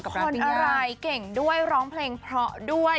คนอะไรเก่งด้วยร้องเพลงเพราะด้วย